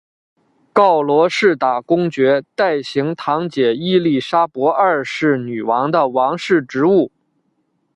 告罗士打公爵代行堂姐伊利莎伯二世女王的王室职务。